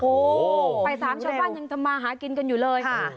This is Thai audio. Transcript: โอ้โหบ่ายสามชาวบ้านยังทำมาหากินกันอยู่เลยค่ะ